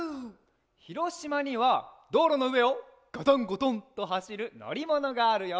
ひろしまにはどうろのうえをガタンゴトンとはしるのりものがあるよ。